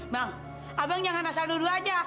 bang abang jangan asal dulu aja